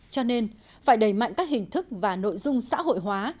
cho nên phải đẩy mạnh các hình thức và nội dung xã hội hóa